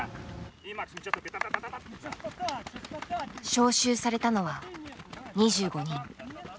招集されたのは２５人。